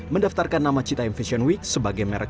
mendaftarkan nama citai fashion week sebagai merek